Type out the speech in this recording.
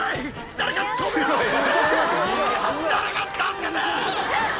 誰か助けて！